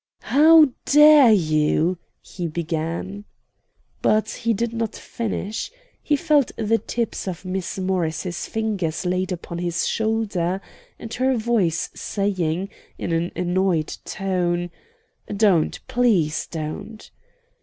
"How dare you " he began. But he did not finish. He felt the tips of Miss Morris's fingers laid upon his shoulder, and her voice saying, in an annoyed tone: "Don't; please don't."